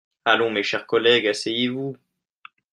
Allons, mes chers collègues, asseyez-vous